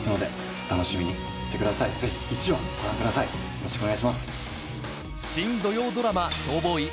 よろしくお願いします。